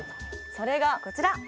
それがこちら！